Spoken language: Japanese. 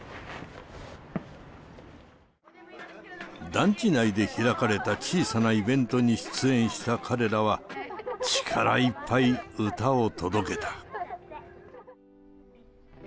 団地内で開かれた小さなイベントに出演した彼らは力いっぱい歌を届けた。